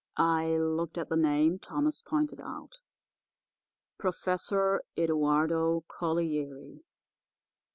"I looked at the name Thomas pointed out—'Professor Eduardo Collieri.